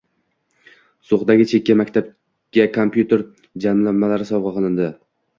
So‘xdagi chekka maktabga kompyuter jamlanmalari sovg‘a qilindi